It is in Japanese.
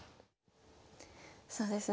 そうですね